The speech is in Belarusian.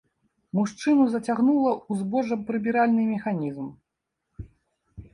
Мужчыну зацягнула ў збожжапрыбіральны механізм.